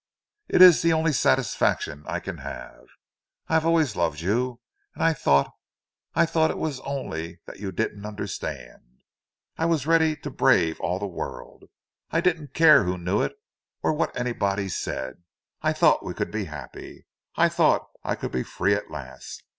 It's the only satisfaction I can have. I have always loved you! And I thought—I thought it was only that you didn't understand. I was ready to brave all the world—I didn't care who knew it, or what anybody said. I thought we could be happy—I thought I could be free at last.